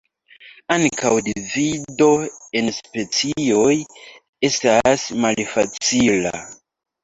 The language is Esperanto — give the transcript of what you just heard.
Ankaŭ divido en specioj estas malfacila.